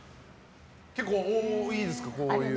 結構多いですか、こういうこと。